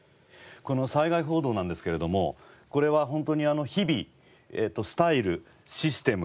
この災害報道なんですけれどもこれは本当に日々スタイルシステム